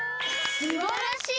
すばらしい！